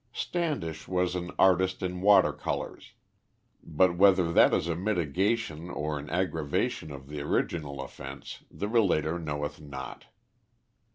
Standish was an artist in water colours, but whether that is a mitigation or an aggravation of the original offense the relater knoweth not.